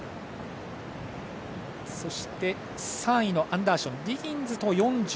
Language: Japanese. そして３位のアンダーション。